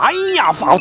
ayah tidak apa apa